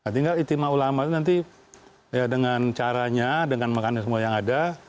tinggal ijlimat ulama nanti dengan caranya dengan makanan semua yang ada